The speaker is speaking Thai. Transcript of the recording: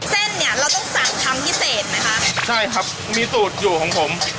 เส้นเนี้ยเราต้องสั่งทำพิเศษไหมคะใช่ครับมีสูตรอยู่ของผม